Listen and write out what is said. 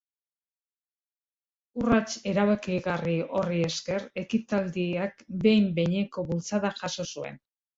Urrats erabakigarri horri esker, ekitaldiak behin-behineko bultzada jaso zuen.